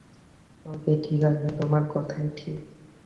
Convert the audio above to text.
ওকে, ঠিকাছে, তোমার কথাই ঠিক।